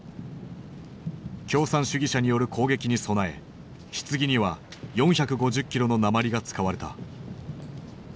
共産主義者による攻撃に備えひつぎには４５０キロの鉛が使われた。